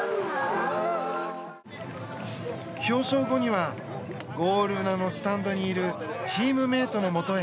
表彰後にはゴール裏のスタンドにいるチームメートのもとへ。